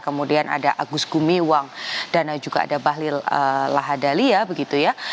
kemudian ada agus gumiwang dan juga ada bahlil lahadalia begitu ya